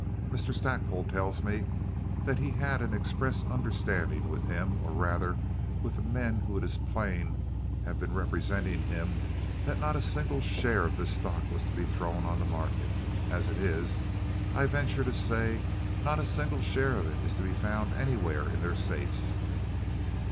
Mr. Stackpole tells me that he had an express understanding with him, or, rather, with the men who it is plain have been representing him, that not a single share of this stock was to be thrown on the market. As it is, I venture to say not a single share of it is to be found anywhere in any of their safes.